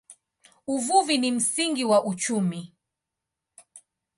Uvuvi ni msingi wa uchumi.